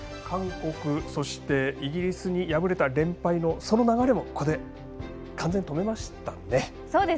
韓国、そしてイギリスに敗れた連敗のその流れをここで完全に止めましたね。